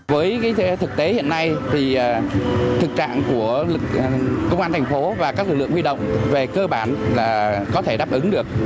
với thực tế hiện nay thì thực trạng của công an thành phố và các lực lượng huy động về cơ bản là có thể đáp ứng được